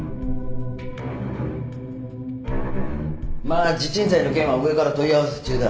まあ地鎮祭の件は上から問い合わせ中だ。